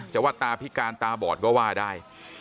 ว่าตาพิการตาบอดก็ว่าได้